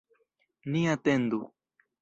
Ni atendu.